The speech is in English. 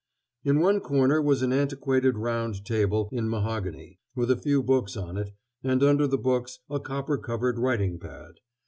In one corner was an antiquated round table in mahogany, with a few books on it, and under the books a copper covered writing pad.